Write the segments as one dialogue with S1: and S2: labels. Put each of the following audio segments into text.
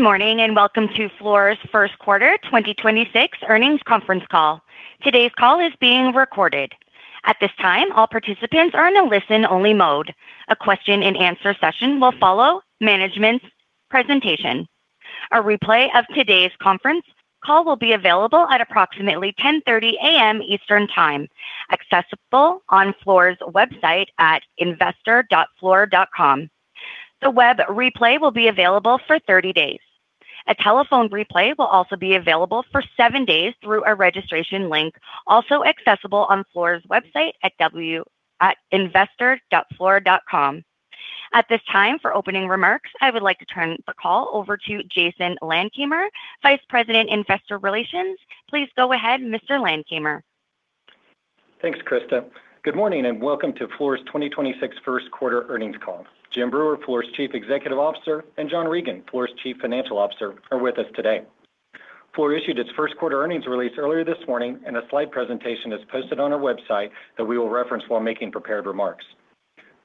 S1: Good morning, and welcome to Fluor's First Quarter 2026 Earnings Conference Call. Today's call is being recorded. At this time, all participants are in a listen-only mode. A question and answer session will follow management's presentation. A replay of today's conference call will be available at approximately 10:30 A.M. Eastern Time, accessible on Fluor's website at investor.fluor.com. The web replay will be available for 30 days. A telephone replay will also be available for seven days through a registration link, also accessible on Fluor's website at investor.fluor.com. At this time, for opening remarks, I would like to turn the call over to Jason Landkamer, Vice President, Investor Relations. Please go ahead, Mr. Landkamer.
S2: Thanks, Krista. Good morning, and welcome to Fluor's 2026 first quarter earnings call. Jim Breuer, Fluor's Chief Executive Officer, and John Regan, Fluor's Chief Financial Officer, are with us today. Fluor issued its first quarter earnings release earlier this morning. A slide presentation is posted on our website that we will reference while making prepared remarks.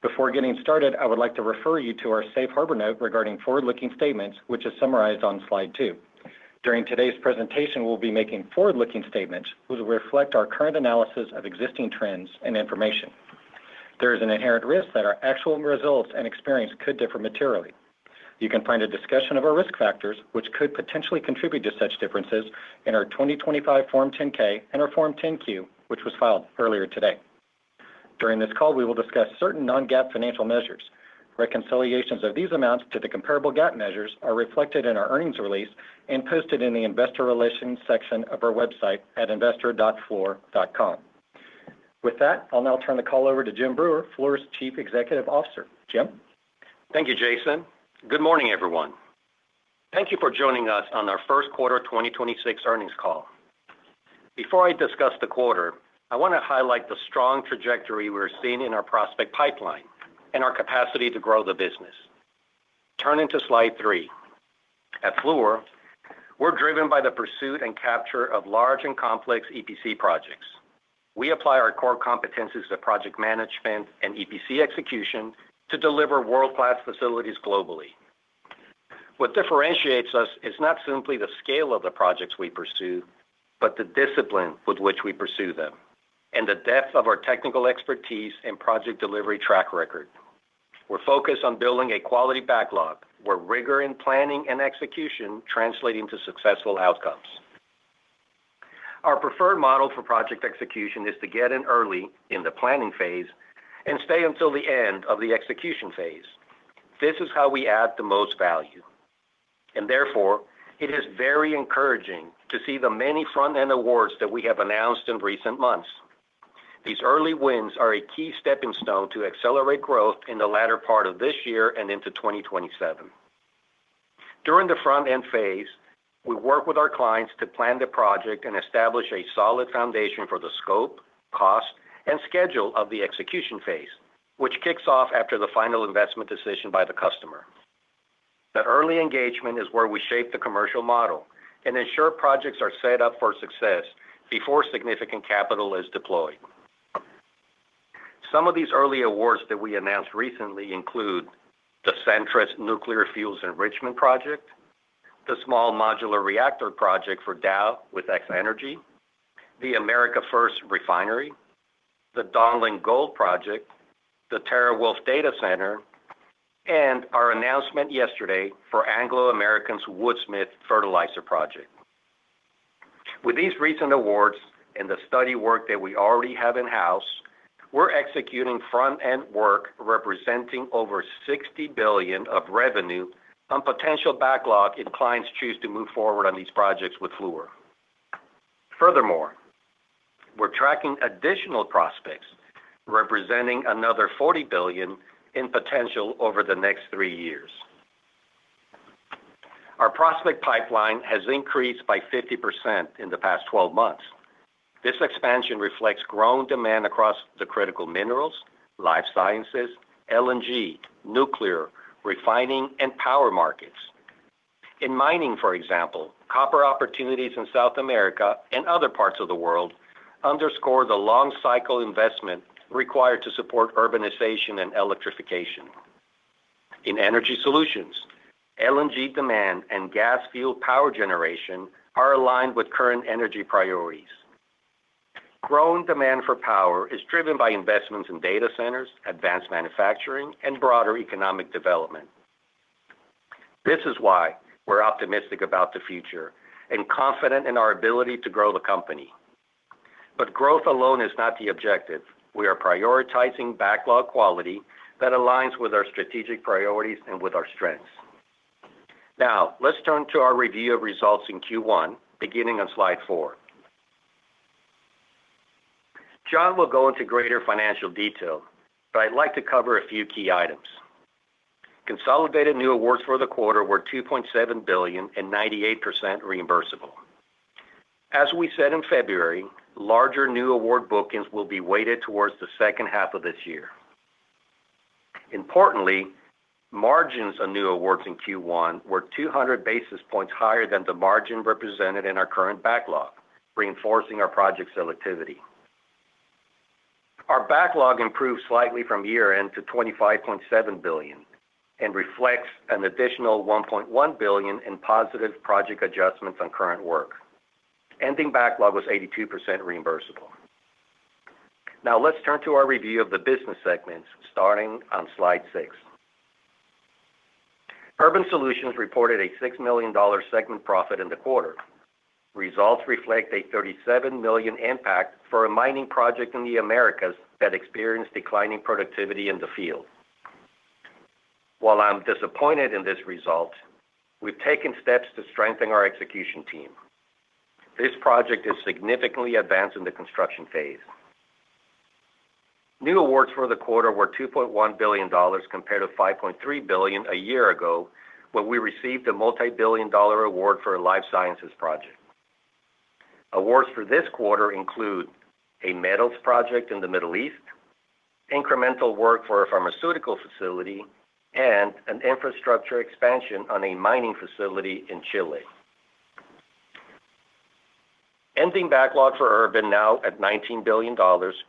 S2: Before getting started, I would like to refer you to our safe harbor note regarding forward-looking statements, which is summarized on slide two. During today's presentation, we'll be making forward-looking statements which reflect our current analysis of existing trends and information. There is an inherent risk that our actual results and experience could differ materially. You can find a discussion of our risk factors, which could potentially contribute to such differences, in our 2025 Form 10-K and our Form 10-Q, which was filed earlier today. During this call, we will discuss certain non-GAAP financial measures. Reconciliations of these amounts to the comparable GAAP measures are reflected in our earnings release and posted in the Investor Relations section of our website at investor.fluor.com. With that, I'll now turn the call over to Jim Breuer, Fluor's Chief Executive Officer. Jim?
S3: Thank you, Jason. Good morning, everyone. Thank you for joining us on our first quarter 2026 earnings call. Before I discuss the quarter, I want to highlight the strong trajectory we're seeing in our prospect pipeline and our capacity to grow the business. Turning to slide three. At Fluor, we're driven by the pursuit and capture of large and complex EPC projects. We apply our core competencies to project management and EPC execution to deliver world-class facilities globally. What differentiates us is not simply the scale of the projects we pursue, but the discipline with which we pursue them and the depth of our technical expertise and project delivery track record. We're focused on building a quality backlog where rigor in planning and execution translating to successful outcomes. Our preferred model for project execution is to get in early in the planning phase and stay until the end of the execution phase. This is how we add the most value, and therefore it is very encouraging to see the many front-end awards that we have announced in recent months. These early wins are a key stepping stone to accelerate growth in the latter part of this year and into 2027. During the front-end phase, we work with our clients to plan the project and establish a solid foundation for the scope, cost, and schedule of the execution phase, which kicks off after the Final Investment Decision by the customer. The early engagement is where we shape the commercial model and ensure projects are set up for success before significant capital is deployed. Some of these early awards that we announced recently include the Centrus nuclear fuels enrichment project, the small modular reactor project for Dow with X-energy, the America First Refinery, the Donlin Gold project, the TeraWulf data center, and our announcement yesterday for Anglo American's Woodsmith Fertilizer project. With these recent awards and the study work that we already have in-house, we're executing front-end work representing over $60 billion of revenue on potential backlog if clients choose to move forward on these projects with Fluor. Furthermore, we're tracking additional prospects representing another $40 billion in potential over the next three years. Our prospect pipeline has increased by 50% in the past 12 months. This expansion reflects growing demand across the critical minerals, life sciences, LNG, nuclear, refining, and power markets. In mining, for example, copper opportunities in South America and other parts of the world underscore the long cycle investment required to support urbanization and electrification. In Energy Solutions, LNG demand and gas-fueled power generation are aligned with current energy priorities. Growing demand for power is driven by investments in data centers, advanced manufacturing, and broader economic development. This is why we're optimistic about the future and confident in our ability to grow the company. Growth alone is not the objective. We are prioritizing backlog quality that aligns with our strategic priorities and with our strengths. Now, let's turn to our review of results in Q1, beginning on slide four. John will go into greater financial detail, but I'd like to cover a few key items. Consolidated new awards for the quarter were $2.7 billion and 98% reimbursable. As we said in February, larger new award bookings will be weighted towards the second half of this year. Importantly, margins on new awards in Q1 were 200 basis points higher than the margin represented in our current backlog, reinforcing our project selectivity. Our backlog improved slightly from year-end to $25.7 billion and reflects an additional $1.1 billion in positive project adjustments on current work. Ending backlog was 82% reimbursable. Let's turn to our review of the business segments, starting on slide six. Urban Solutions reported a $6 million segment profit in the quarter. Results reflect a $37 million impact for a mining project in the Americas that experienced declining productivity in the field. While I'm disappointed in this result, we've taken steps to strengthen our execution team. This project is significantly advanced in the construction phase. New awards for the quarter were $2.1 billion compared to $5.3 billion a year ago, when we received a multi-billion dollar award for a life sciences project. Awards for this quarter include a metals project in the Middle East, incremental work for a pharmaceutical facility, and an infrastructure expansion on a mining facility in Chile. Ending backlog for Urban, now at $19 billion,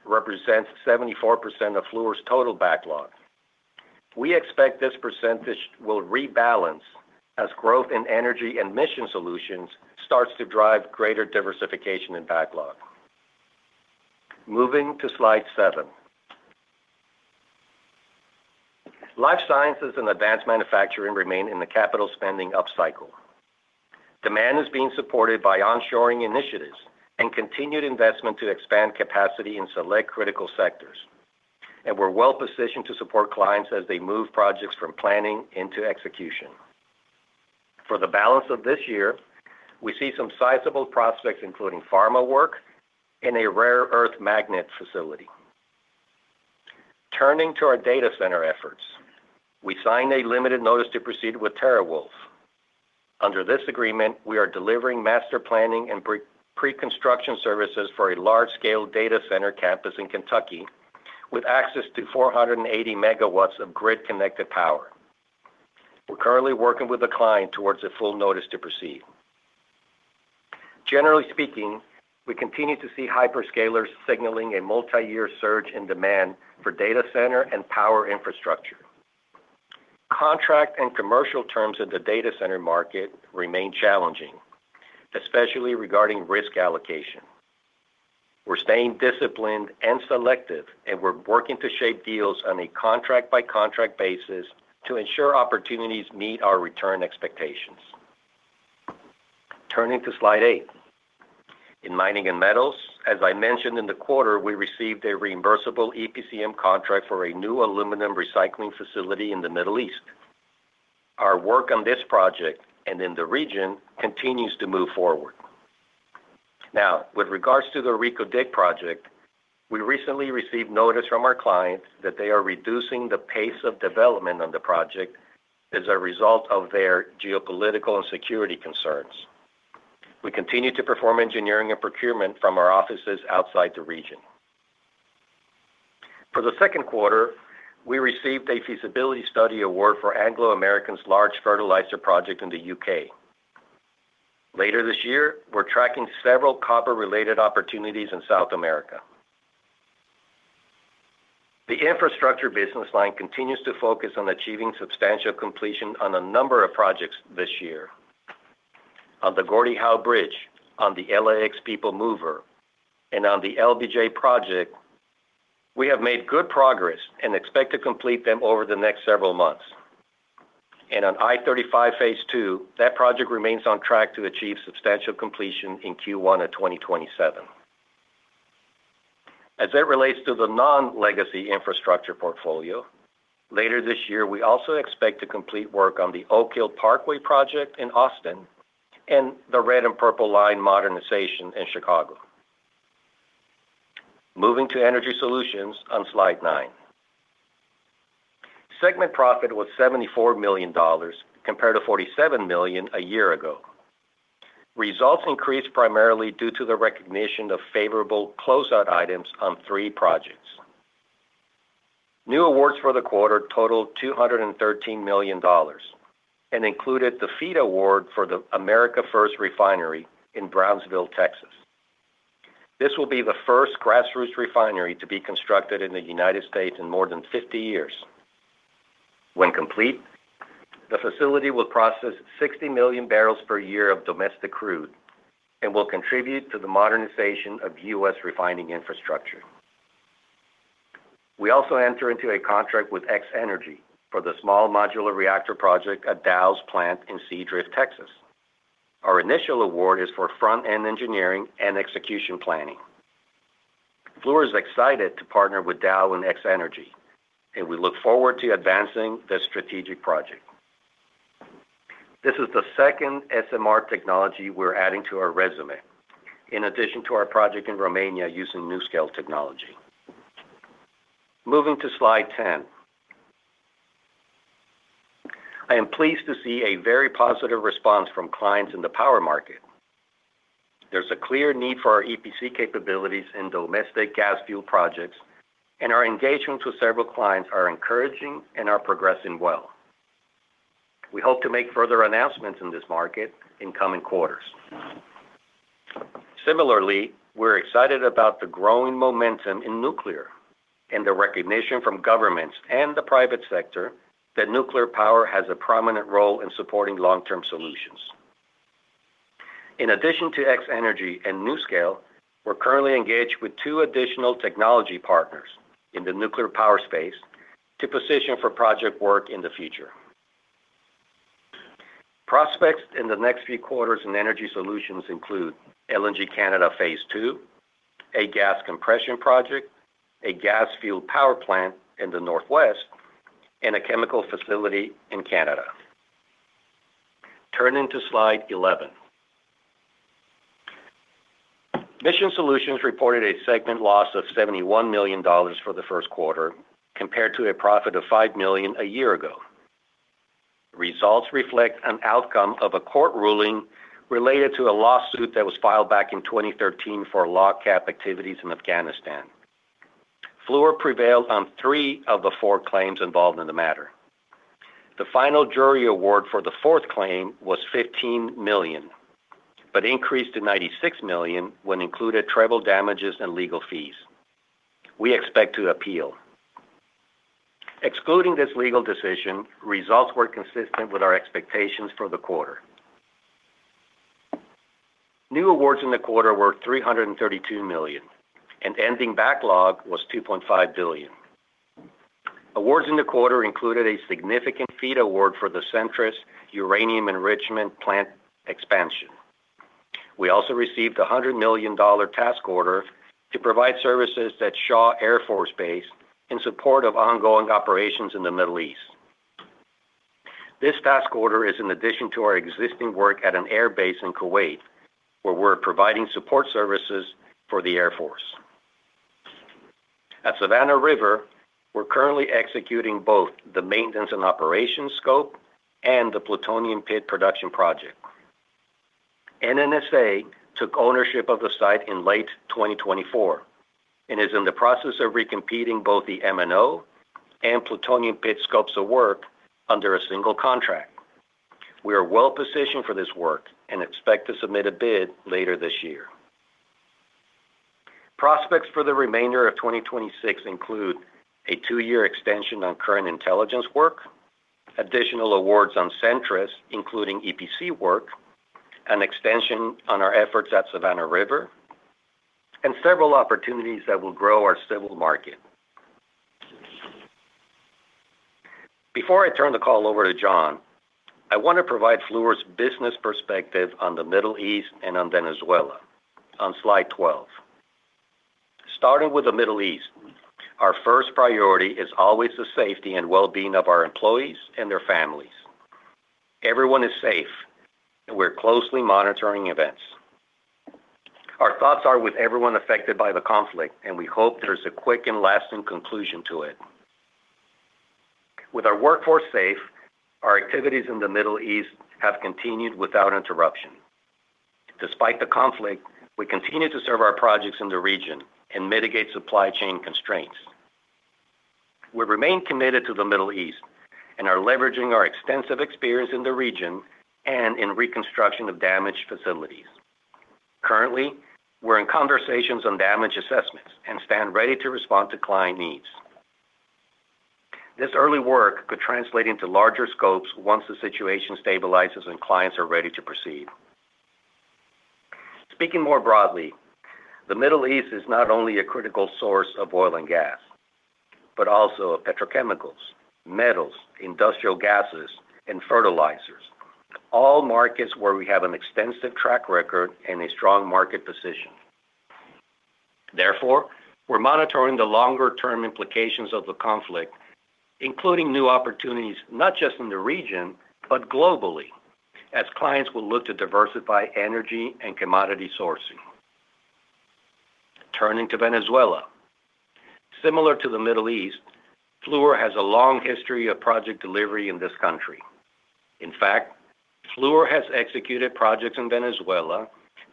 S3: represents 74% of Fluor's total backlog. We expect this percentage will rebalance as growth in Energy and Mission Solutions starts to drive greater diversification in backlog. Moving to slide seven. Life sciences and advanced manufacturing remain in the capital spending upcycle. Demand is being supported by onshoring initiatives and continued investment to expand capacity in select critical sectors. We're well-positioned to support clients as they move projects from planning into execution. For the balance of this year, we see some sizable prospects, including pharma work and a rare earth magnet facility. Turning to our data center efforts, we signed a limited notice to proceed with TeraWulf. Under this agreement, we are delivering master planning and preconstruction services for a large-scale data center campus in Kentucky with access to 480 MW of grid-connected power. We're currently working with the client towards a full notice to proceed. Generally speaking, we continue to see hyperscalers signaling a multi-year surge in demand for data center and power infrastructure. Contract and commercial terms in the data center market remain challenging, especially regarding risk allocation. We're staying disciplined and selective, and we're working to shape deals on a contract-by-contract basis to ensure opportunities meet our return expectations. Turning to slide eight. In mining and metals, as I mentioned in the quarter, we received a reimbursable EPCM contract for a new aluminum recycling facility in the Middle East. Our work on this project and in the region continues to move forward. With regards to the Reko Diq project, we recently received notice from our clients that they are reducing the pace of development on the project as a result of their geopolitical and security concerns. We continue to perform engineering and procurement from our offices outside the region. For the second quarter, we received a feasibility study award for Anglo American's large fertilizer project in the U.K. Later this year, we're tracking several copper-related opportunities in South America. The infrastructure business line continues to focus on achieving substantial completion on a number of projects this year. The Gordie Howe Bridge, on the LAX People Mover, and on the LBJ project, we have made good progress and expect to complete them over the next several months. On I-35 Phase 2, that project remains on track to achieve substantial completion in Q1 of 2027. As it relates to the non-legacy infrastructure portfolio, later this year, we also expect to complete work on the Oak Hill Parkway project in Austin and the Red and Purple Line modernization in Chicago. Moving to Energy Solutions on slide nine. Segment profit was $74 million compared to $47 million a year ago. Results increased primarily due to the recognition of favorable closeout items on three projects. New awards for the quarter totaled $213 million and included the FEED award for the America First Refinery in Brownsville, Texas. This will be the first grassroots refinery to be constructed in the United States in more than 50 years. When complete, the facility will process 60 MMbbl/y of domestic crude and will contribute to the modernization of U.S. refining infrastructure. We also enter into a contract with X-energy for the small modular reactor project at Dow's plant in Seadrift, Texas. Our initial award is for front-end engineering and execution planning. Fluor is excited to partner with Dow and X-energy, we look forward to advancing this strategic project. This is the second SMR technology we're adding to our resume, in addition to our project in Romania using NuScale technology. Moving to slide 10. I am pleased to see a very positive response from clients in the power market. There's a clear need for our EPC capabilities in domestic gas fuel projects, and our engagement with several clients are encouraging and are progressing well. We hope to make further announcements in this market in coming quarters. We're excited about the growing momentum in nuclear and the recognition from governments and the private sector that nuclear power has a prominent role in supporting long-term solutions. In addition to X-energy and NuScale, we're currently engaged with two additional technology partners in the nuclear power space to position for project work in the future. Prospects in the next few quarters in Energy Solutions include LNG Canada Phase 2, a gas compression project, a gas-fueled power plant in the Northwest, and a chemical facility in Canada. Turning to slide 11. Mission Solutions reported a segment loss of $71 million for the first quarter compared to a profit of $5 million a year ago. Results reflect an outcome of a court ruling related to a lawsuit that was filed back in 2013 for LOGCAP activities in Afghanistan. Fluor prevailed on three of the four claims involved in the matter. The final jury award for the fourth claim was $15 million, but increased to $96 million when included treble damages and legal fees. We expect to appeal. Excluding this legal decision, results were consistent with our expectations for the quarter. New awards in the quarter were $332 million, and ending backlog was $2.5 billion. Awards in the quarter included a significant FEED award for the Centrus uranium enrichment plant expansion. We also received a $100 million task order to provide services at Shaw Air Force Base in support of ongoing operations in the Middle East. This task order is in addition to our existing work at an air base in Kuwait, where we're providing support services for the Air Force. At Savannah River, we're currently executing both the maintenance and operations scope and the plutonium pit production project. NNSA took ownership of the site in late 2024 and is in the process of recompeting both the M&O and plutonium pit scopes of work under a single contract. We are well positioned for this work and expect to submit a bid later this year. Prospects for the remainder of 2026 include a two-year extension on current intelligence work, additional awards on Centrus, including EPC work, an extension on our efforts at Savannah River, and several opportunities that will grow our civil market. Before I turn the call over to John, I want to provide Fluor's business perspective on the Middle East and on Venezuela on slide 12. Starting with the Middle East, our first priority is always the safety and well-being of our employees and their families. Everyone is safe, and we're closely monitoring events. Our thoughts are with everyone affected by the conflict, and we hope there's a quick and lasting conclusion to it. With our workforce safe, our activities in the Middle East have continued without interruption. Despite the conflict, we continue to serve our projects in the region and mitigate supply chain constraints. We remain committed to the Middle East and are leveraging our extensive experience in the region and in reconstruction of damaged facilities. Currently, we're in conversations on damage assessments and stand ready to respond to client needs. This early work could translate into larger scopes once the situation stabilizes and clients are ready to proceed. Speaking more broadly, the Middle East is not only a critical source of oil and gas, but also of petrochemicals, metals, industrial gases, and fertilizers, all markets where we have an extensive track record and a strong market position. Therefore, we're monitoring the longer-term implications of the conflict, including new opportunities, not just in the region, but globally, as clients will look to diversify energy and commodity sourcing. Turning to Venezuela. Similar to the Middle East, Fluor has a long history of project delivery in this country. In fact, Fluor has executed projects in Venezuela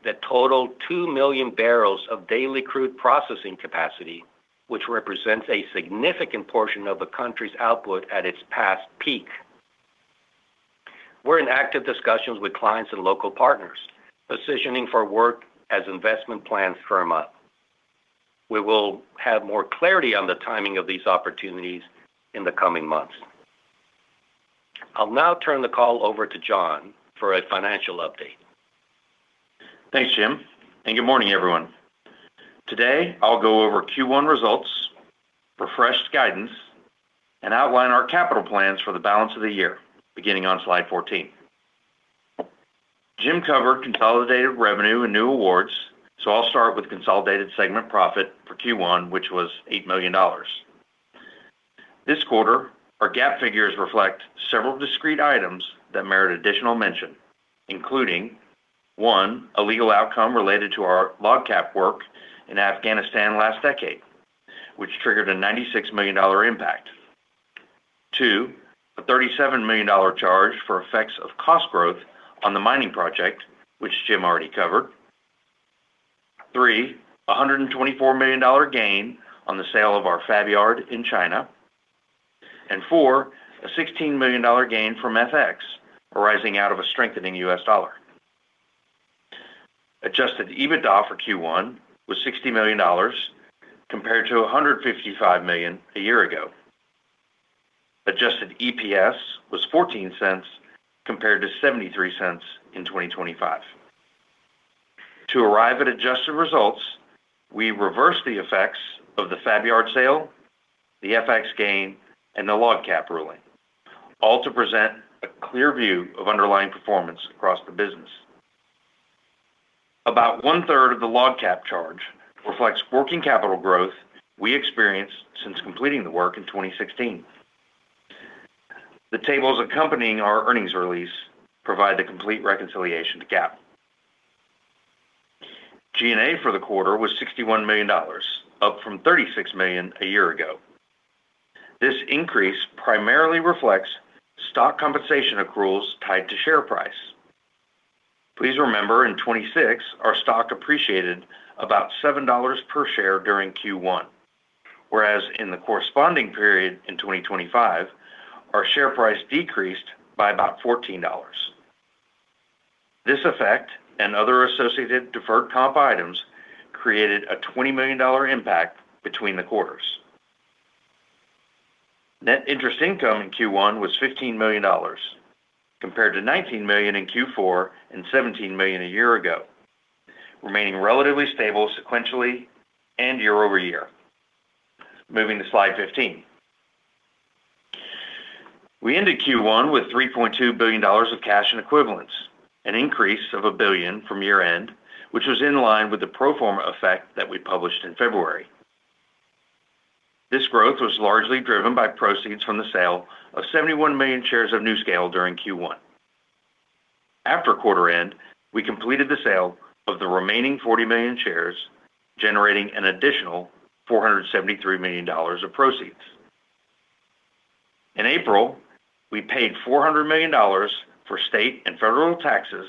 S3: that total 2,000,000 bbl of daily crude processing capacity, which represents a significant portion of the country's output at its past peak. We're in active discussions with clients and local partners, positioning for work as investment plans firm up. We will have more clarity on the timing of these opportunities in the coming months. I'll now turn the call over to John for a financial update.
S4: Thanks, Jim. Good morning, everyone. Today, I'll go over Q1 results, refreshed guidance, and outline our capital plans for the balance of the year, beginning on slide 14. Jim covered consolidated revenue and new awards. I'll start with consolidated segment profit for Q1, which was $8 million. This quarter, our GAAP figures reflect several discrete items that merit additional mention, including, one, a legal outcome related to our LOGCAP work in Afghanistan last decade, which triggered a $96 million impact. Two, a $37 million charge for effects of cost growth on the mining project, which Jim already covered. Three, a $124 million gain on the sale of our fab yard in China. Four, a $16 million gain from FX arising out of a strengthening U.S. dollar. Adjusted EBITDA for Q1 was $60 million compared to $155 million a year ago. Adjusted EPS was $0.14 compared to $0.73 in 2025. To arrive at adjusted results, we reverse the effects of the fab yard sale, the FX gain, and the LOGCAP ruling, all to present a clear view of underlying performance across the business. About one-third of the LOGCAP charge reflects working capital growth we experienced since completing the work in 2016. The tables accompanying our earnings release provide the complete reconciliation to GAAP. G&A for the quarter was $61 million, up from $36 million a year ago. This increase primarily reflects stock compensation accruals tied to share price. Please remember in 2026 our stock appreciated about $7/share during Q1, whereas in the corresponding period in 2025, our share price decreased by about $14. This effect and other associated deferred comp items created a $20 million impact between the quarters. Net interest income in Q1 was $15 million compared to $19 million in Q4 and $17 million a year ago, remaining relatively stable sequentially and year-over-year. Moving to slide 15. We ended Q1 with $3.2 billion of cash and equivalents, an increase of $1 billion from year-end, which was in line with the pro forma effect that we published in February. This growth was largely driven by proceeds from the sale of 71 million shares of NuScale during Q1. After quarter end, we completed the sale of the remaining 40 million shares, generating an additional $473 million of proceeds. In April, we paid $400 million for state and federal taxes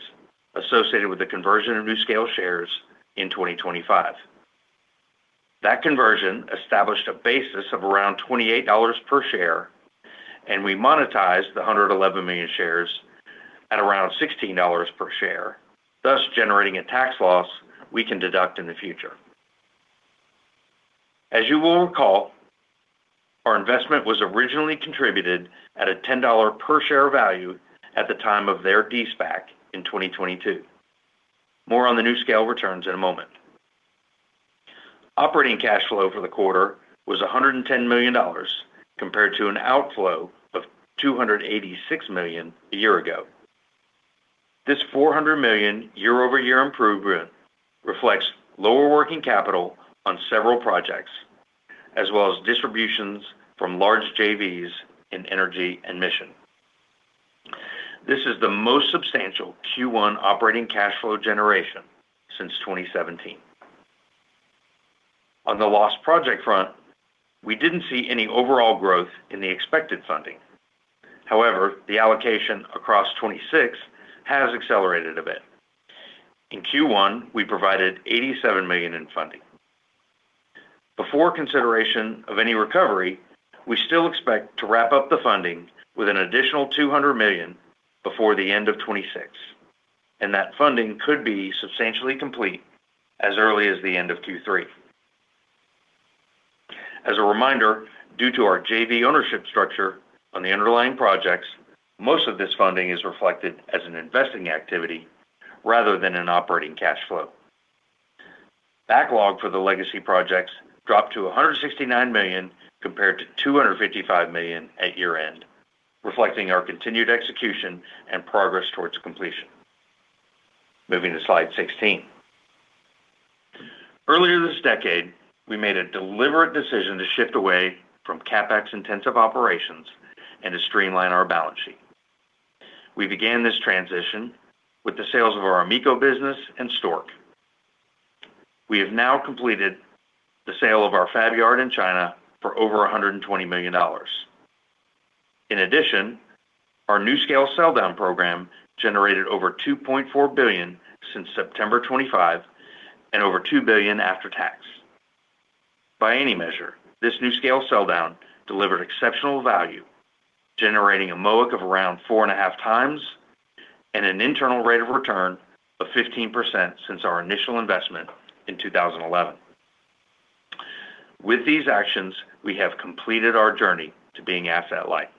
S4: associated with the conversion of NuScale shares in 2025. That conversion established a basis of around $28/share, and we monetized the 111 million shares at around $16/share, thus generating a tax loss we can deduct in the future. As you will recall, our investment was originally contributed at a $10/share value at the time of their de-SPAC in 2022. More on the NuScale returns in a moment. Operating cash flow for the quarter was $110 million compared to an outflow of $286 million a year ago. This $400 million year-over-year improvement reflects lower working capital on several projects, as well as distributions from large JVs in Energy and Mission. This is the most substantial Q1 operating cash flow generation since 2017. On the lost project front, we didn't see any overall growth in the expected funding. The allocation across 2026 has accelerated a bit. In Q1, we provided $87 million in funding. Before consideration of any recovery, we still expect to wrap up the funding with an additional $200 million before the end of 2026, and that funding could be substantially complete as early as the end of Q3. As a reminder, due to our JV ownership structure on the underlying projects, most of this funding is reflected as an investing activity rather than an operating cash flow. Backlog for the legacy projects dropped to $169 million compared to $255 million at year-end, reflecting our continued execution and progress towards completion. Moving to slide 16. Earlier this decade, we made a deliberate decision to shift away from CapEx-intensive operations and to streamline our balance sheet. We began this transition with the sales of our AMECO business and Stork. We have now completed the sale of our fab yard in China for over $120 million. In addition, our NuScale sell-down program generated over $2.4 billion since September 2025 and over $2 billion after tax. By any measure, this NuScale sell-down delivered exceptional value, generating a MOIC of around 4.5x and an internal rate of return of 15% since our initial investment in 2011. With these actions, we have completed our journey to being asset light.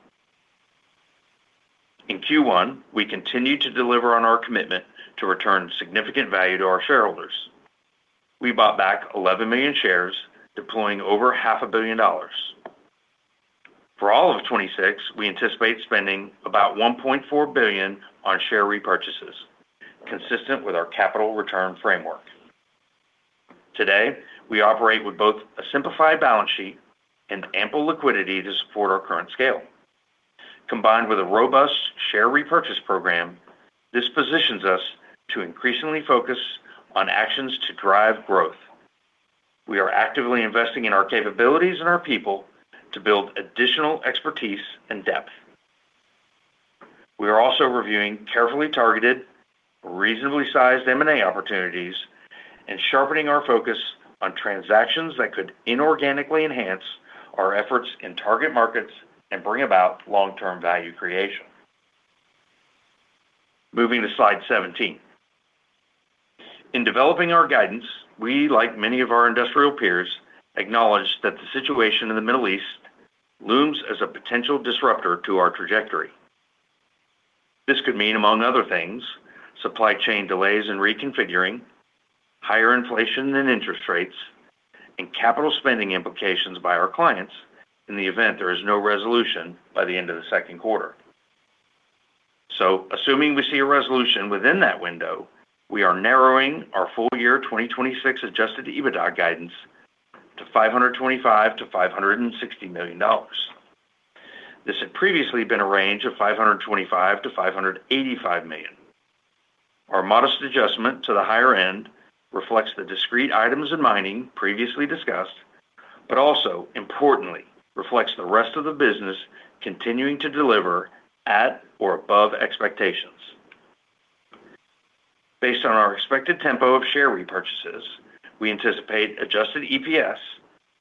S4: In Q1, we continued to deliver on our commitment to return significant value to our shareholders. We bought back 11 million shares, deploying over $500 million. For all of 2026, we anticipate spending about $1.4 billion on share repurchases, consistent with our capital return framework. Today, we operate with both a simplified balance sheet and ample liquidity to support our current scale. Combined with a robust share repurchase program, this positions us to increasingly focus on actions to drive growth. We are actively investing in our capabilities and our people to build additional expertise and depth. Reviewing carefully targeted, reasonably sized M&A opportunities, and sharpening our focus on transactions that could inorganically enhance our efforts in target markets and bring about long-term value creation. Moving to slide 17. In developing our guidance, we, like many of our industrial peers, acknowledge that the situation in the Middle East looms as a potential disruptor to our trajectory. This could mean, among other things, supply chain delays and reconfiguring, higher inflation and interest rates, and capital spending implications by our clients in the event there is no resolution by the end of the second quarter. Assuming we see a resolution within that window, we are narrowing our full year 2026 adjusted EBITDA guidance to $525 million-$560 million. This had previously been a range of $525 million-$585 million. Our modest adjustment to the higher end reflects the discrete items in mining previously discussed, but also importantly reflects the rest of the business continuing to deliver at or above expectations. Based on our expected tempo of share repurchases, we anticipate adjusted EPS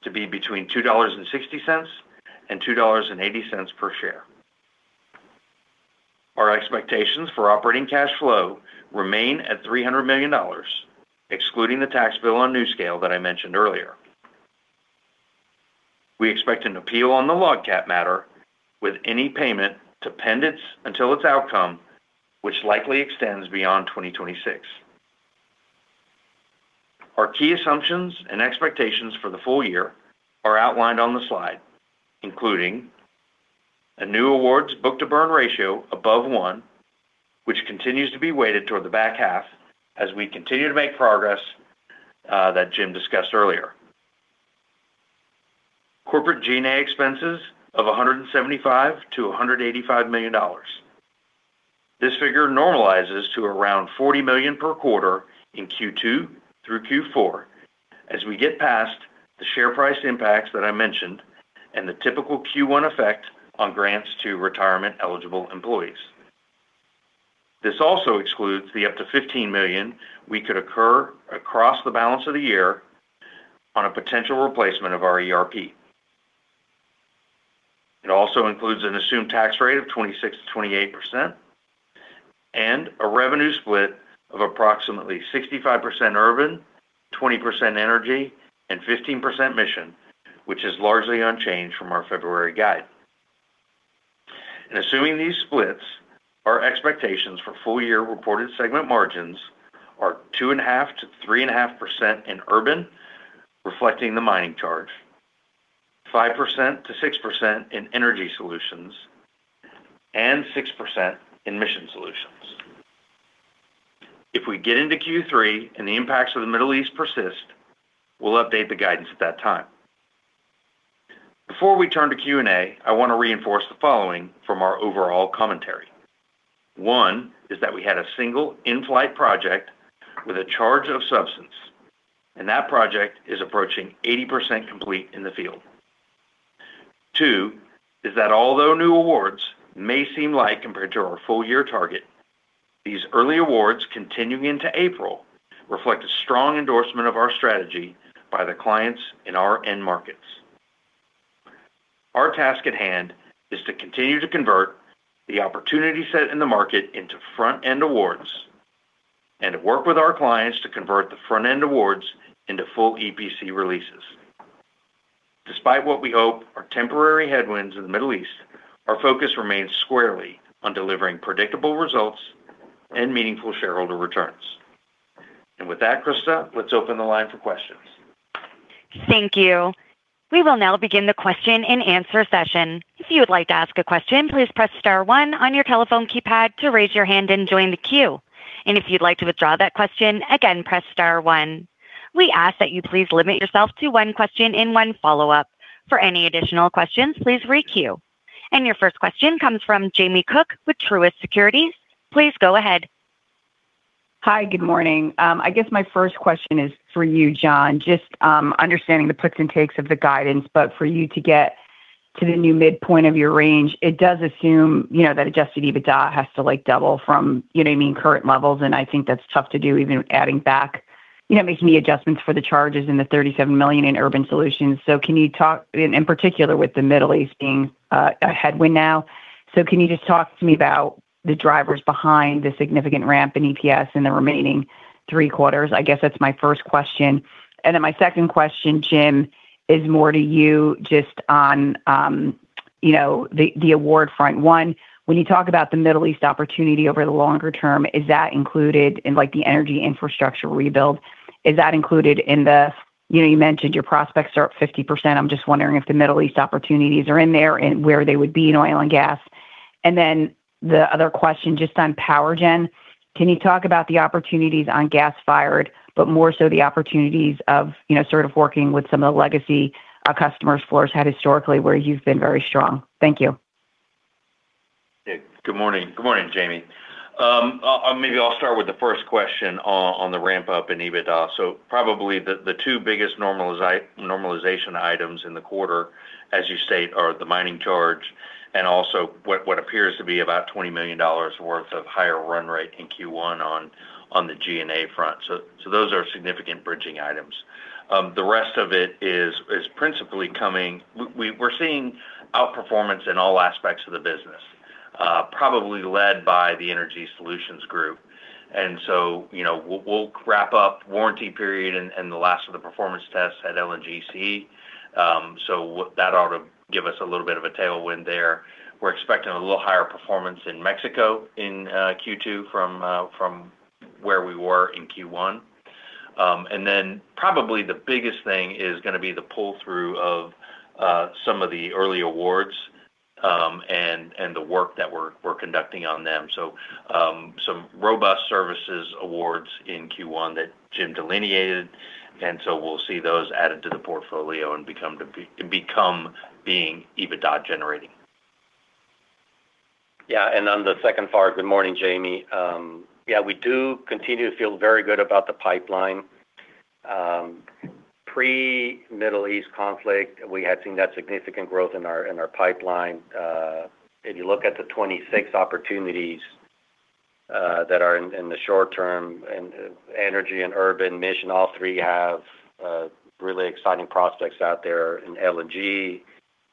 S4: to be between $2.60 and $2.80/share. Our expectations for operating cash flow remain at $300 million, excluding the tax bill on NuScale that I mentioned earlier. We expect an appeal on the LOGCAP matter with any payment until its outcome, which likely extends beyond 2026. Our key assumptions and expectations for the full year are outlined on the slide, including a new awards book-to-burn ratio above 1, which continues to be weighted toward the back half as we continue to make progress that Jim discussed earlier. Corporate G&A expenses of $175 million-$185 million. This figure normalizes to around $40 million/quarter in Q2 through Q4 as we get past the share price impacts that I mentioned and the typical Q1 effect on grants to retirement-eligible employees. This also excludes the up to $15 million we could occur across the balance of the year on a potential replacement of our ERP. It also includes an assumed tax rate of 26%-28% and a revenue split of approximately 65% Urban, 20% Energy, and 15% Mission, which is largely unchanged from our February guide. Assuming these splits, our expectations for full year reported segment margins are 2.5%-3.5% in Urban, reflecting the mining charge. 5%-6% in Energy Solutions, and 6% in Mission Solutions. If we get into Q3 and the impacts of the Middle East persist, we'll update the guidance at that time. Before we turn to Q&A, I want to reinforce the following from our overall commentary. One is that we had a single in-flight project with a charge of substance, and that project is approaching 80% complete in the field. Two is that although new awards may seem light compared to our full-year target, these early awards continuing into April reflect a strong endorsement of our strategy by the clients in our end markets. Our task at hand is to continue to convert the opportunity set in the market into front-end awards and to work with our clients to convert the front-end awards into full EPC releases. Despite what we hope are temporary headwinds in the Middle East, our focus remains squarely on delivering predictable results and meaningful shareholder returns. With that, Krista, let's open the line for questions.
S1: Thank you. We will now begin the question and answer session. If you would like to ask a question, please press star one on your telephone keypad to raise your hand and join the queue. If you'd like to withdraw that question, again press star one. We ask that you please limit yourself to one question and one follow-up. For any additional questions, please re-queue. Your first question comes from Jamie Cook with Truist Securities. Please go ahead.
S5: Hi. Good morning. I guess my first question is for you, John. Just understanding the puts and takes of the guidance, but for you to get to the new midpoint of your range, it does assume, you know, that adjusted EBITDA has to like double from, you know what I mean, current levels, and I think that's tough to do even adding back, you know, making the adjustments for the charges and the $37 million in Urban Solutions. In particular with the Middle East being a headwind now. Can you just talk to me about the drivers behind the significant ramp in EPS in the remaining three quarters? I guess that's my first question. My second question, Jim, is more to you just on, you know, the award front. One, when you talk about the Middle East opportunity over the longer term, is that included in like the energy infrastructure rebuild? Is that included in You know, you mentioned your prospects are up 50%. I'm just wondering if the Middle East opportunities are in there and where they would be in oil and gas. The other question just on power gen. Can you talk about the opportunities on gas-fired, but more so the opportunities of, you know, sort of working with some of the legacy customers Fluor's had historically where you've been very strong? Thank you.
S4: Good morning. Good morning, Jamie. Maybe I'll start with the first question on the ramp-up in EBITDA. Probably the two biggest normalization items in the quarter, as you state, are the mining charge and also what appears to be about $20 million worth of higher run rate in Q1 on the G&A front. Those are significant bridging items. The rest of it is principally coming. We're seeing outperformance in all aspects of the business, probably led by the Energy Solutions Group. You know, we'll wrap up warranty period and the last of the performance tests at LNGC. That ought to give us a little bit of a tailwind there. We're expecting a little higher performance in Mexico in Q2 from where we were in Q1. Then probably the biggest thing is gonna be the pull-through of some of the early awards, and the work that we're conducting on them. Some robust services awards in Q1 that Jim delineated, we'll see those added to the portfolio and become being EBITDA-generating.
S3: On the second part, good morning, Jamie. Yeah, we do continue to feel very good about the pipeline. Pre-Middle East conflict, we had seen that significant growth in our pipeline. If you look at the 2026 opportunities that are in the short term in Energy and Urban Mission, all three have really exciting prospects out there in LNG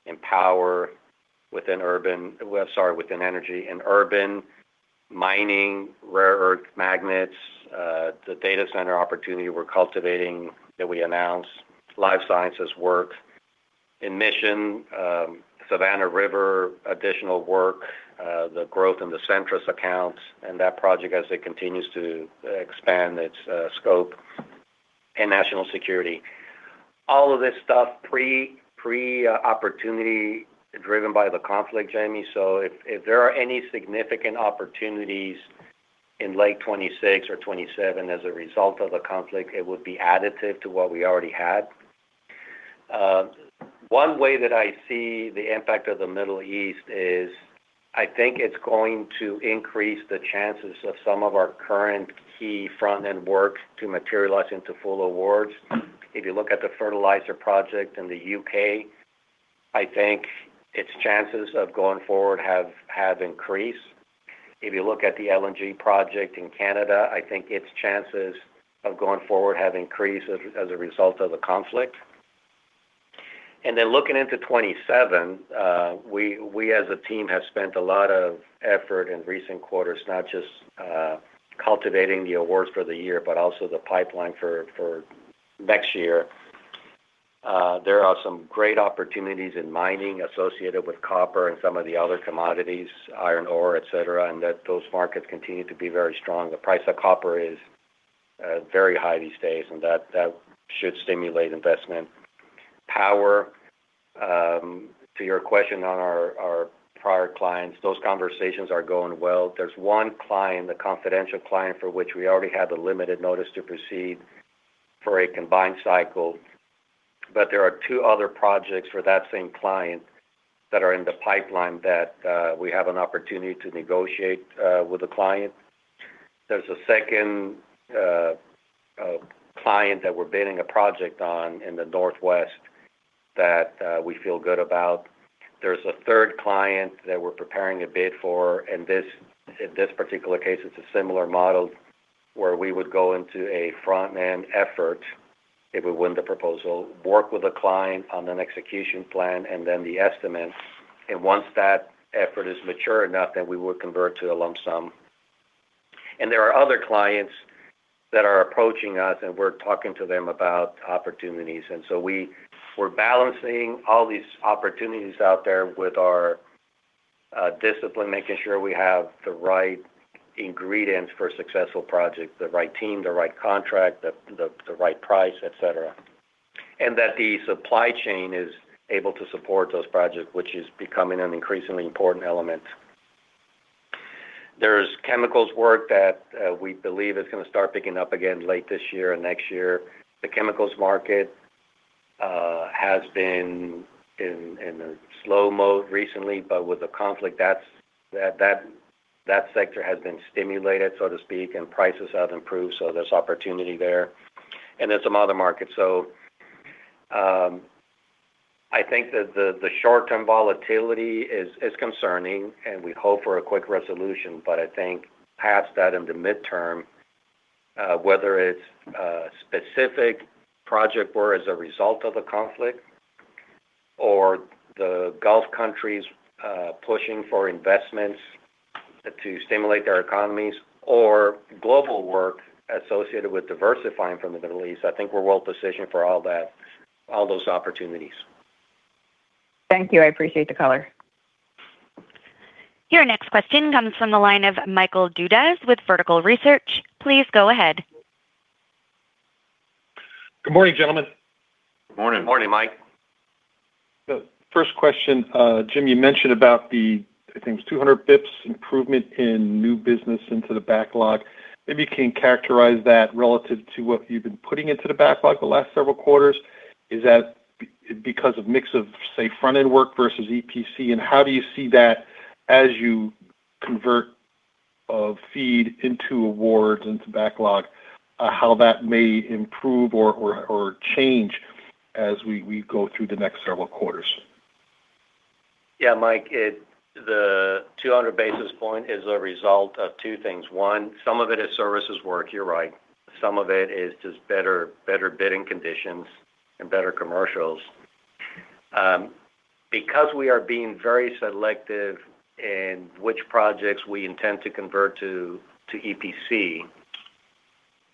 S3: and power within Energy. In Urban, mining, rare earth magnets, the data center opportunity we're cultivating that we announced, life sciences work. In Mission, Savannah River, additional work, the growth in the Centrus accounts and that project as it continues to expand its scope and national security. All of this stuff pre-opportunity driven by the conflict, Jamie. If there are any significant opportunities in late 2026 or 2027 as a result of the conflict, it would be additive to what we already had. One way that I see the impact of the Middle East is I think it's going to increase the chances of some of our current key front-end work to materialize into full awards. If you look at the fertilizer project in the U.K., I think its chances of going forward have increased. If you look at the LNG project in Canada, I think its chances of going forward have increased as a result of the conflict. Then looking into 2027, we as a team have spent a lot of effort in recent quarters, not just cultivating the awards for the year, but also the pipeline for next year. There are some great opportunities in mining associated with copper and some of the other commodities, iron ore, et cetera, and that those markets continue to be very strong. The price of copper is very high these days, and that should stimulate investment. Power, to your question on our prior clients, those conversations are going well. There's one client, the confidential client, for which we already have the limited notice to proceed for a combined cycle. There are two other projects for that same client that are in the pipeline that we have an opportunity to negotiate with the client. There's a second client that we're bidding a project on in the Northwest that we feel good about. There's a third client that we're preparing a bid for. In this particular case, it's a similar model where we would go into a front-man effort if we win the proposal, work with the client on an execution plan and then the estimates. Once that effort is mature enough, then we would convert to a lump sum. There are other clients that are approaching us, and we're talking to them about opportunities. We're balancing all these opportunities out there with our discipline, making sure we have the right ingredients for a successful project, the right team, the right contract, the right price, et cetera. That the supply chain is able to support those projects, which is becoming an increasingly important element. There's chemicals work that we believe is gonna start picking up again late this year and next year. The chemicals market has been in a slow mode recently, but with the conflict that sector has been stimulated, so to speak, and prices have improved. There's opportunity there. There's some other markets. I think that the short-term volatility is concerning, and we hope for a quick resolution. I think past that into midterm, whether it's a specific project or as a result of the conflict or the Gulf countries pushing for investments to stimulate their economies or global work associated with diversifying from the Middle East, I think we're well-positioned for all those opportunities.
S5: Thank you. I appreciate the color.
S1: Your next question comes from the line of Michael Dudas with Vertical Research. Please go ahead.
S6: Good morning, gentlemen.
S3: Good morning.
S4: Morning, Mike.
S6: The first question, Jim, you mentioned about the, I think it's 200 basis points improvement in new business into the backlog. Maybe you can characterize that relative to what you've been putting into the backlog the last several quarters. Is that because of mix of, say, front-end work versus EPC? How do you see that as you convert, FEED into awards, into backlog, how that may improve or change as we go through the next several quarters?
S3: Yeah, Mike, the 200 basis point is a result of two things. One, some of it is services work, you're right. Some of it is just better bidding conditions and better commercials. Because we are being very selective in which projects we intend to convert to EPC,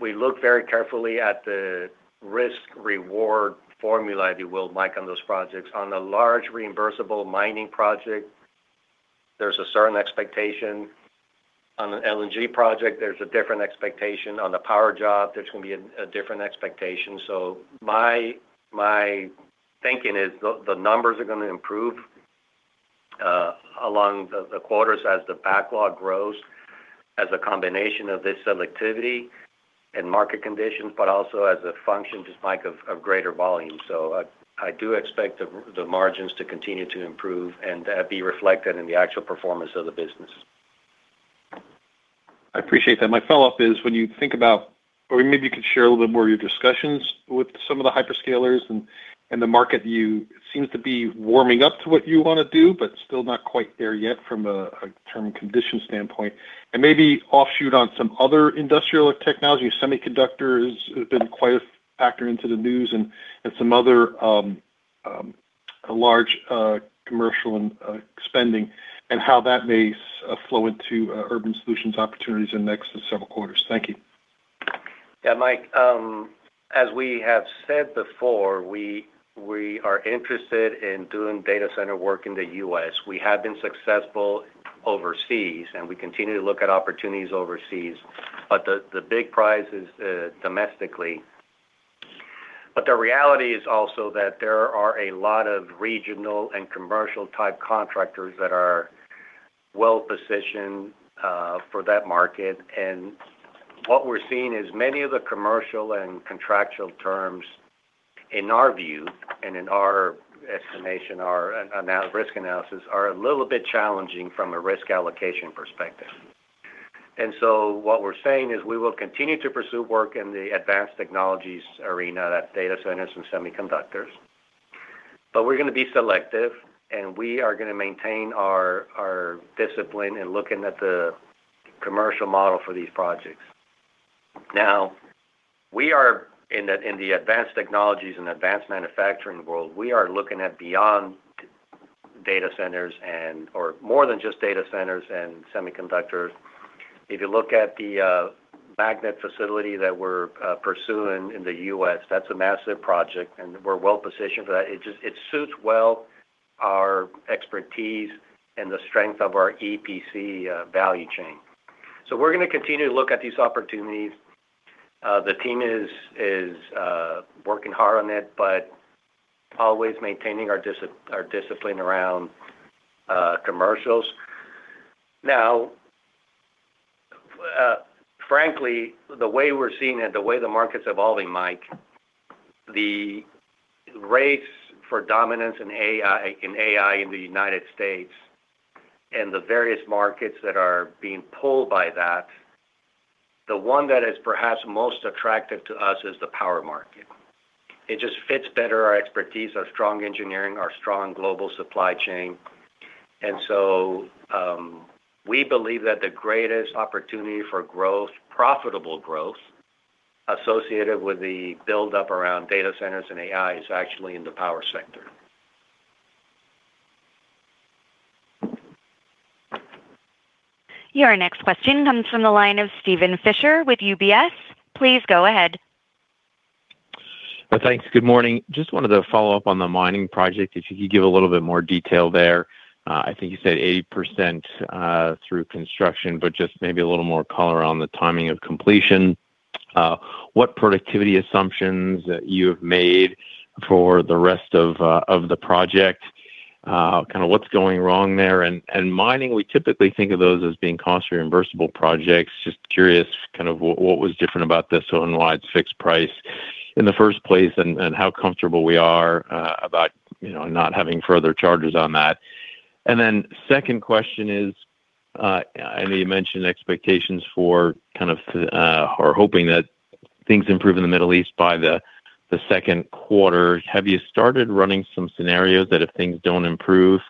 S3: we look very carefully at the risk/reward formula, if you will, Mike, on those projects. On the large reimbursable mining project, there's a certain expectation. On an LNG project, there's a different expectation. On the power job, there's gonna be a different expectation. My thinking is the numbers are gonna improve along the quarters as the backlog grows as a combination of this selectivity and market conditions, but also as a function just, Mike, of greater volume. I do expect the margins to continue to improve and be reflected in the actual performance of the business.
S6: I appreciate that. My follow-up is when you think about or maybe you could share a little bit more of your discussions with some of the hyperscalers and the market view seems to be warming up to what you wanna do, but still not quite there yet from a term condition standpoint. Maybe offshoot on some other industrial technology, semiconductors have been quite a factor into the news and some other large commercial and spending and how that may flow into Urban Solutions opportunities in the next several quarters. Thank you.
S3: Yeah, Mike, as we have said before, we are interested in doing data center work in the U.S. We have been successful overseas, and we continue to look at opportunities overseas. The big prize is domestically. The reality is also that there are a lot of regional and commercial type contractors that are well-positioned for that market. What we're seeing is many of the commercial and contractual terms, in our view and in our estimation, our risk analysis, are a little bit challenging from a risk allocation perspective. What we're saying is we will continue to pursue work in the advanced technologies arena, that's data centers and semiconductors. We're gonna be selective, and we are gonna maintain our discipline in looking at the commercial model for these projects. We are in the advanced technologies and advanced manufacturing world, we are looking at beyond data centers or more than just data centers and semiconductors. If you look at the magnet facility that we're pursuing in the U.S., that's a massive project, and we're well-positioned for that. It suits well our expertise and the strength of our EPC value chain. We're gonna continue to look at these opportunities. The team is working hard on it, but always maintaining our discipline around commercials. Frankly, the way we're seeing it, the way the market's evolving, Mike, the race for dominance in AI, in AI in the United States and the various markets that are being pulled by that, the one that is perhaps most attractive to us is the power market. It just fits better our expertise, our strong engineering, our strong global supply chain. We believe that the greatest opportunity for growth, profitable growth associated with the buildup around data centers and AI is actually in the power sector.
S1: Your next question comes from the line of Steven Fisher with UBS. Please go ahead.
S7: Thanks. Good morning. Just wanted to follow up on the mining project, if you could give a little bit more detail there. I think you said 80% through construction, but just maybe a little more color on the timing of completion. What productivity assumptions you have made for the rest of the project? Kind of what's going wrong there? Mining, we typically think of those as being cost-reimbursable projects. Just curious kind of what was different about this one, why it's fixed price in the first place, and how comfortable we are about, you know, not having further charges on that. Then second question is, I know you mentioned expectations for kind of or hoping that things improve in the Middle East by the second quarter. Have you started running some scenarios that if things don't improve,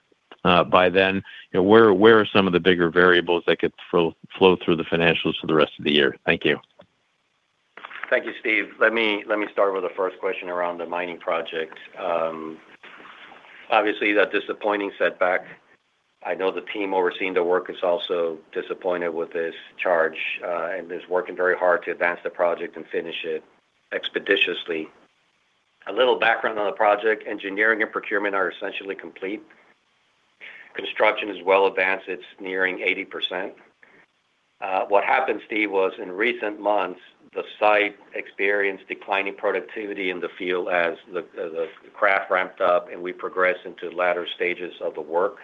S7: by then, you know, where are some of the bigger variables that could flow through the financials for the rest of the year? Thank you.
S3: Thank you, Steve. Let me start with the first question around the mining project. Obviously, a disappointing setback. I know the team overseeing the work is also disappointed with this charge and is working very hard to advance the project and finish it expeditiously. A little background on the project. Engineering and procurement are essentially complete. Construction is well advanced. It's nearing 80%. What happened, Steve, was in recent months, the site experienced declining productivity in the field as the craft ramped up, and we progressed into latter stages of the work.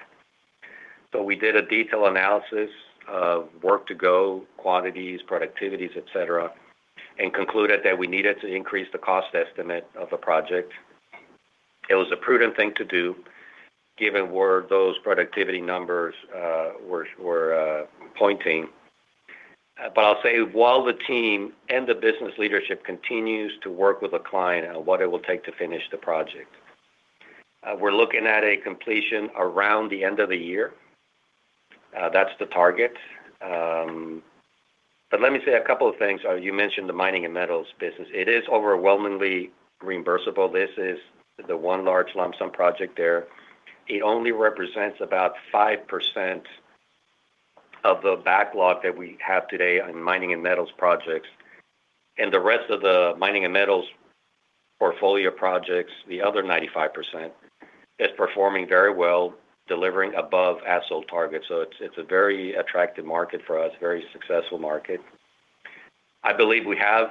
S3: We did a detailed analysis of work to go, quantities, productivities, et cetera, and concluded that we needed to increase the cost estimate of the project. It was a prudent thing to do given where those productivity numbers were pointing. I'll say while the team and the business leadership continues to work with a client on what it will take to finish the project. We're looking at a completion around the end of the year. That's the target. Let me say a couple of things. You mentioned the mining and metals business. It is overwhelmingly reimbursable. This is the one large lump sum project there. It only represents about 5% of the backlog that we have today on mining and metals projects. The rest of the mining and metals portfolio projects, the other 95%, is performing very well, delivering above as-sold targets. It's a very attractive market for us, very successful market. I believe we have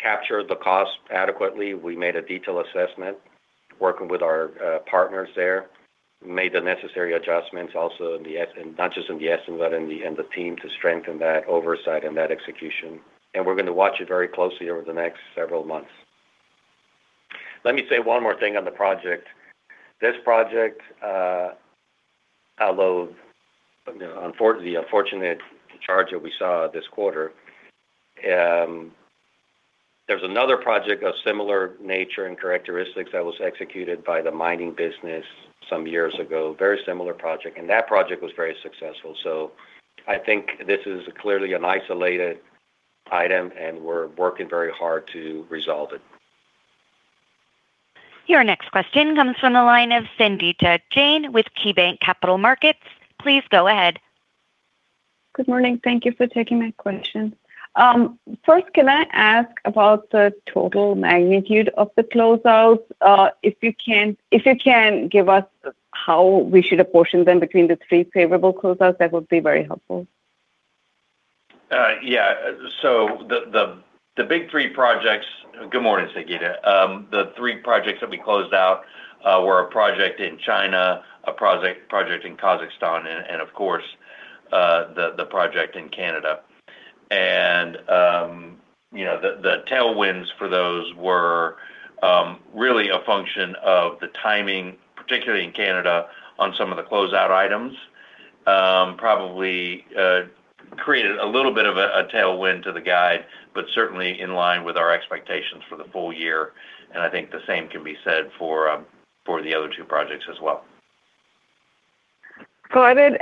S3: captured the cost adequately. We made a detailed assessment working with our partners there. Made the necessary adjustments also not just in the estimate, in the team to strengthen that oversight and that execution. We're going to watch it very closely over the next several months. Let me say one more thing on the project. This project, although the unfortunate charge that we saw this quarter, there's another project of similar nature and characteristics that was executed by the mining business some years ago. Very similar project. That project was very successful. I think this is clearly an isolated item, and we're working very hard to resolve it.
S1: Your next question comes from the line of Sangita Jain with KeyBanc Capital Markets. Please go ahead.
S8: Good morning. Thank you for taking my question. First, can I ask about the total magnitude of the closeouts? If you can give us how we should apportion them between the three favorable closeouts, that would be very helpful.
S4: Yeah. The big three projects. Good morning, Sangita. The three projects that we closed out were a project in China, a project in Kazakhstan and, of course, the project in Canada. You know, the tailwinds for those were really a function of the timing, particularly in Canada on some of the closeout items. Probably created a little bit of a tailwind to the guide, but certainly in line with our expectations for the full year, and I think the same can be said for the other two projects as well.
S8: Got it.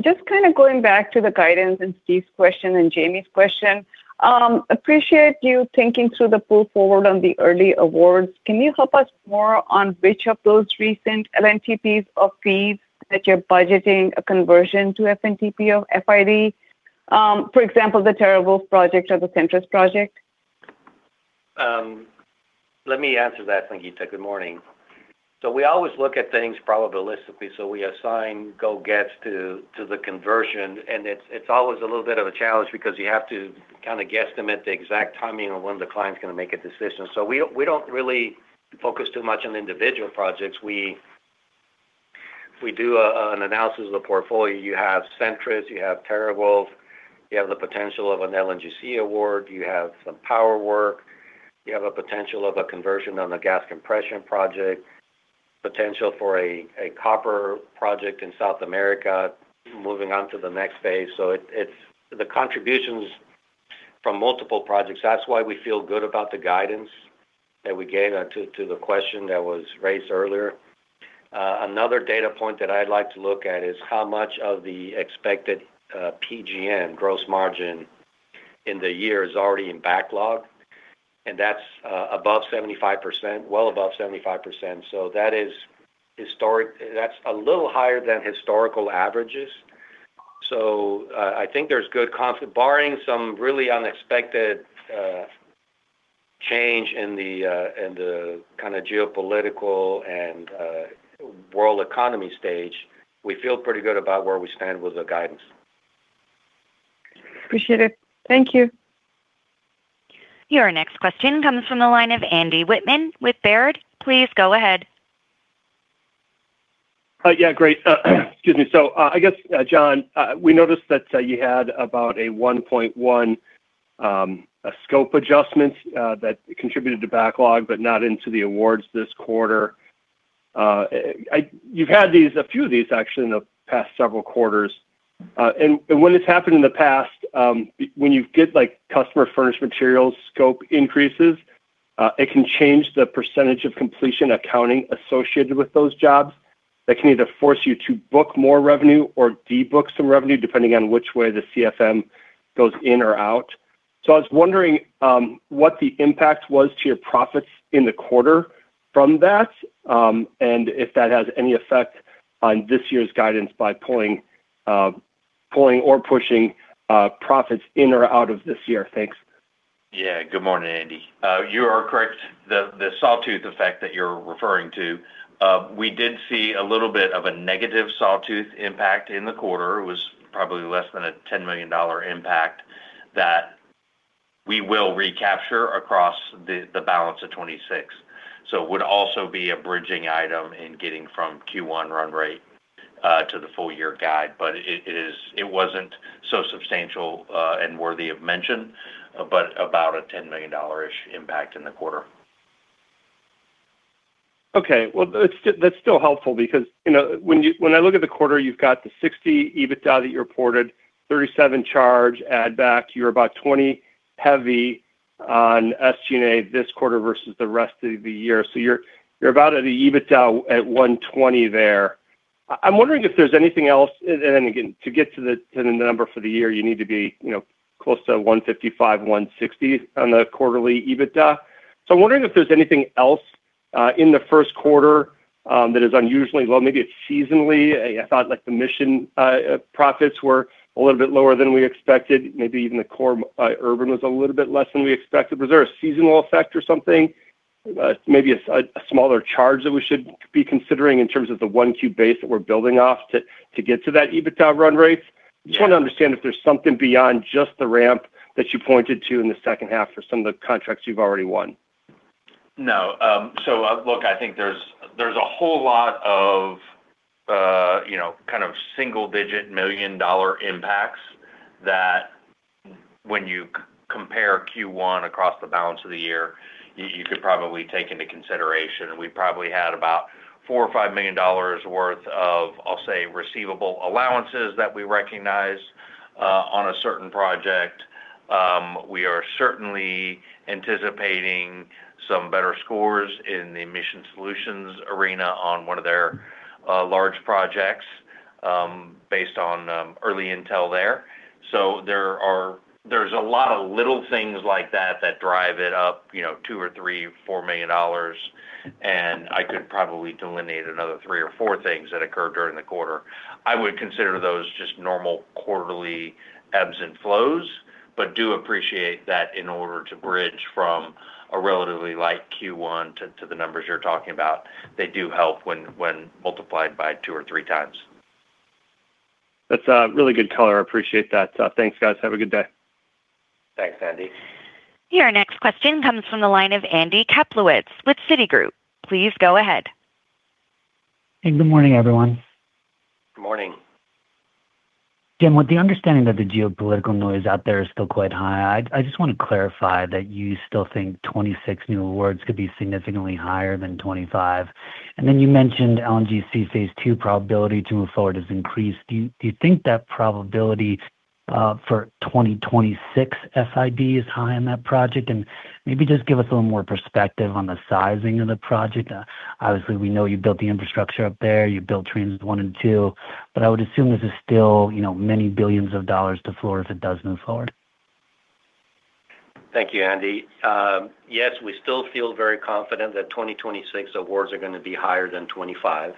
S8: Just kinda going back to the guidance and Steve's question and Jamie's question. Appreciate you thinking through the pull forward on the early awards. Can you help us more on which of those recent LNTPs or FEEDs that you're budgeting a conversion to FNTP of FID? For example, the TeraWulf project or the Centrus project.
S3: Let me answer that, Sangita. Good morning. We always look at things probabilistically. We assign go gets to the conversion, and it's always a little bit of a challenge because you have to kinda guesstimate the exact timing on when the client's gonna make a decision. We, we don't really focus too much on individual projects. We, we do an analysis of the portfolio. You have Centrus, you have TeraWulf, you have the potential of an LNGC award, you have some power work, you have a potential of a conversion on the gas compression project, potential for a copper project in South America moving on to the next phase. It, it's the contributions from multiple projects. That's why we feel good about the guidance that we gave to the question that was raised earlier. Another data point that I'd like to look at is how much of the expected PGM gross margin in the year is already in backlog. That's above 75%, well above 75%. That is historic. That's a little higher than historical averages. I think there's good confidence barring some really unexpected change in the in the kinda geopolitical and world economy stage, we feel pretty good about where we stand with the guidance.
S8: Appreciate it. Thank you.
S1: Your next question comes from the line of Andy Wittmann with Baird. Please go ahead.
S9: Yeah, great. Excuse me. John, we noticed that you had about a $1.1 billion scope adjustment that contributed to backlog, but not into the awards this quarter. You've had a few of these actually in the past several quarters. When this happened in the past, when you get like customer furnished materials scope increases, it can change the percentage of completion accounting associated with those jobs. That can either force you to book more revenue or de-book some revenue depending on which way the CFM goes in or out. I was wondering what the impact was to your profits in the quarter from that, and if that has any effect on this year's guidance by pulling or pushing profits in or out of this year. Thanks.
S4: Yeah. Good morning, Andy. You are correct. The sawtooth effect that you're referring to, we did see a little bit of a negative sawtooth impact in the quarter. It was probably less than a $10 million impact that we will recapture across the balance of 2026. It would also be a bridging item in getting from Q1 run rate to the full year guide. It wasn't so substantial and worthy of mention, but about a $10 million impact in the quarter.
S9: Okay. Well, that's still helpful because, you know, when I look at the quarter, you've got the $60 million EBITDA that you reported, $37 million charge add back. You're about $20 million heavy on SG&A this quarter versus the rest of the year. You're about at a EBITDA at $120 million there. I'm wondering if there's anything else. Then again, to get to the number for the year, you need to be, you know, close to $155 million, $160 million on the quarterly EBITDA. I'm wondering if there's anything else in the first quarter that is unusually low. Maybe it's seasonally. I thought like the Mission profits were a little bit lower than we expected. Maybe even the core Urban was a little bit less than we expected. Was there a seasonal effect or something? Maybe a smaller charge that we should be considering in terms of the 1Q base that we're building off to get to that EBITDA run rate.
S4: Yeah.
S9: Trying to understand if there's something beyond just the ramp that you pointed to in the second half for some of the contracts you've already won.
S4: No. Look, I think there's a whole lot of, you know, kind of single-digit million dollar impacts that when you compare Q1 across the balance of the year, you could probably take into consideration. We probably had about $4 million-$5 million worth of, I'll say, receivable allowances that we recognize on a certain project. We are certainly anticipating some better scores in the Mission Solutions arena on one of their large projects based on early intel there. There's a lot of little things like that that drive it up, you know, $2 million or $3 million, $4 million, and I could probably delineate another three or four things that occurred during the quarter. I would consider those just normal quarterly ebbs and flows, but do appreciate that in order to bridge from a relatively light Q1 to the numbers you're talking about, they do help when multiplied by two or three times.
S9: That's really good color. I appreciate that. Thanks, guys. Have a good day.
S3: Thanks, Andy.
S1: Your next question comes from the line of Andy Kaplowitz with Citigroup. Please go ahead.
S10: Hey, good morning, everyone.
S3: Good morning.
S10: Jim, with the understanding that the geopolitical noise out there is still quite high, I just want to clarify that you still think 2026 new awards could be significantly higher than 2025. Then you mentioned LNGC Phase 2 probability to move forward has increased. Do you think that probability for 2026 FID is high on that project? Maybe just give us a little more perspective on the sizing of the project. Obviously, we know you built the infrastructure up there. You built Trains 1 and 2, but I would assume this is still, you know, many billions of dollars to Fluor if it does move forward.
S3: Thank you, Andy. Yes, we still feel very confident that 2026 awards are gonna be higher than 2025.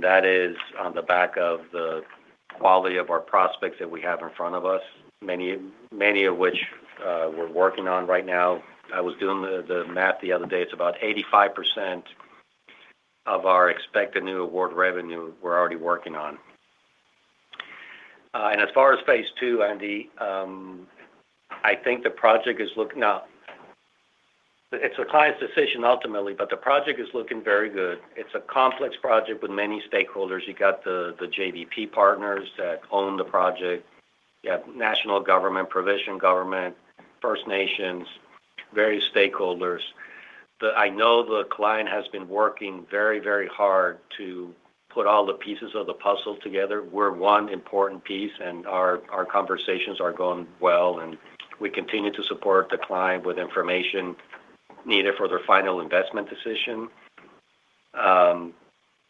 S3: That is on the back of the quality of our prospects that we have in front of us, many, many of which we're working on right now. I was doing the math the other day. It's about 85% of our expected new award revenue we're already working on. As far as phase 2, Andy, I think the project is looking. Now, it's a client's decision ultimately, but the project is looking very good. It's a complex project with many stakeholders. You got the JVP partners that own the project. You have national government, provision government, First Nations, various stakeholders. I know the client has been working very, very hard to put all the pieces of the puzzle together. We're one important piece, and our conversations are going well, and we continue to support the client with information needed for their final investment decision.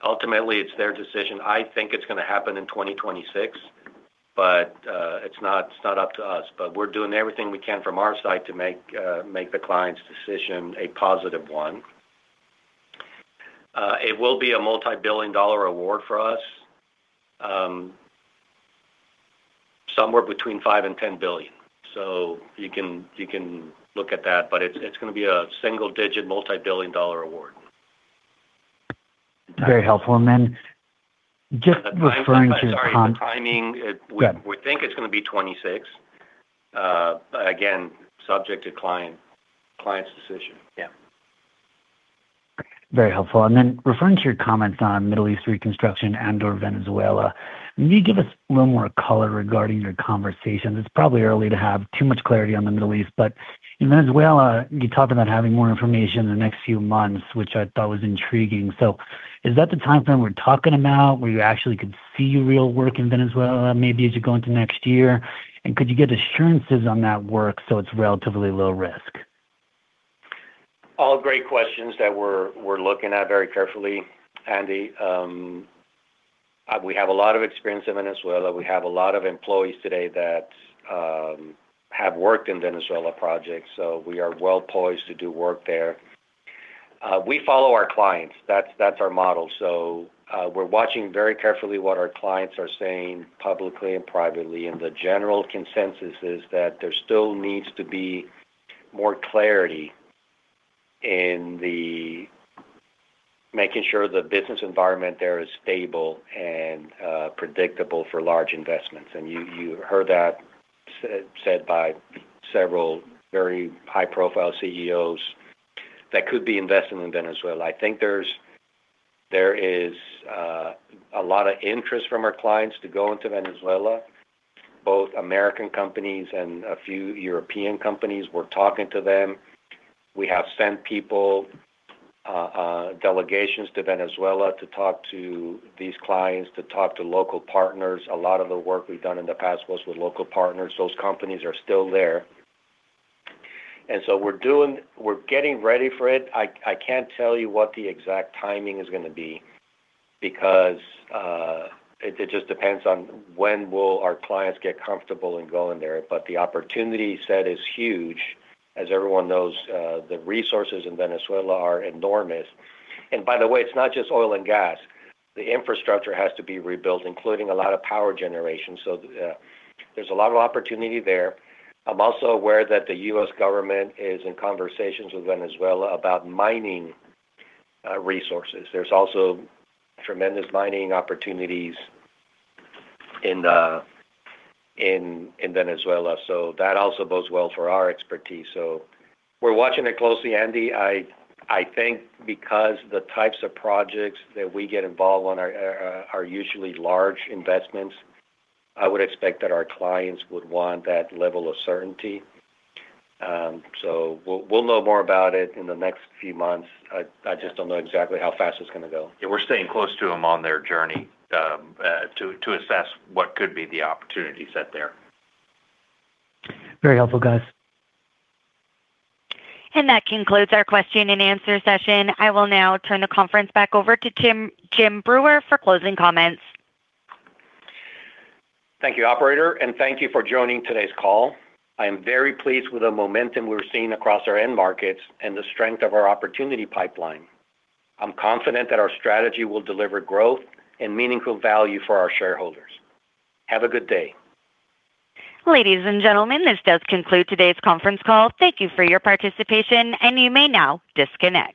S3: Ultimately, it's their decision. I think it's gonna happen in 2026, but it's not, it's not up to us. We're doing everything we can from our side to make the client's decision a positive one. It will be a multi-billion-dollar award for us, somewhere between $5 billion and $10 billion. You can, you can look at that, but it's gonna be a single-digit multi-billion-dollar award.
S10: Very helpful. Then just referring to.
S3: I'm sorry. The timing.
S10: Yeah.
S3: We think it's going to be 2026, again, subject to client's decision. Yeah.
S10: Very helpful. Referring to your comments on Middle East reconstruction and/or Venezuela, can you give us a little more color regarding your conversations? It's probably early to have too much clarity on the Middle East, but in Venezuela, you talked about having more information in the next few months, which I thought was intriguing. Is that the timeframe we're talking about, where you actually could see real work in Venezuela maybe as you go into next year? Could you get assurances on that work so it's relatively low risk?
S3: All great questions that we're looking at very carefully, Andy. We have a lot of experience in Venezuela. We have a lot of employees today that have worked in Venezuela projects, so we are well-poised to do work there. We follow our clients. That's our model. We're watching very carefully what our clients are saying publicly and privately, and the general consensus is that there still needs to be more clarity. Making sure the business environment there is stable and predictable for large investments. You heard that said by several very high-profile CEOs that could be investing in Venezuela. I think there is a lot of interest from our clients to go into Venezuela, both American companies and a few European companies. We're talking to them. We have sent people, delegations to Venezuela to talk to these clients, to talk to local partners. A lot of the work we've done in the past was with local partners. Those companies are still there. So we're getting ready for it. I can't tell you what the exact timing is gonna be because it just depends on when will our clients get comfortable in going there. The opportunity set is huge. As everyone knows, the resources in Venezuela are enormous. By the way, it's not just oil and gas. The infrastructure has to be rebuilt, including a lot of power generation. There's a lot of opportunity there. I'm also aware that the U.S. government is in conversations with Venezuela about mining, resources. There's also tremendous mining opportunities in Venezuela, that also bodes well for our expertise. We're watching it closely, Andy. I think because the types of projects that we get involved on are usually large investments, I would expect that our clients would want that level of certainty. We'll know more about it in the next few months. I just don't know exactly how fast it's gonna go.
S4: We're staying close to them on their journey, to assess what could be the opportunity set there.
S10: Very helpful, guys.
S1: That concludes our question and answer session. I will now turn the conference back over to Jim Breuer for closing comments.
S3: Thank you, operator, and thank you for joining today's call. I am very pleased with the momentum we're seeing across our end markets and the strength of our opportunity pipeline. I'm confident that our strategy will deliver growth and meaningful value for our shareholders. Have a good day.
S1: Ladies and gentlemen, this does conclude today's conference call. Thank you for your participation, and you may now disconnect.